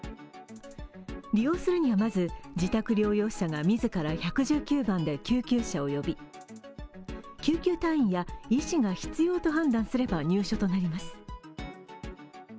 利用するには、まず自宅療養者が自ら１１９番で救急車を呼び救急隊員や医師が必要と判断すれば、入所となります。